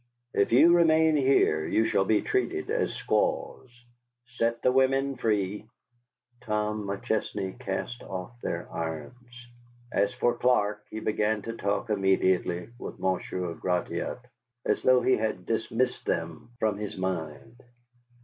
If you remain here, you shall be treated as squaws. Set the women free." Tom McChesney cast off their irons. As for Clark, he began to talk immediately with Monsieur Gratiot, as though he had dismissed them from his mind.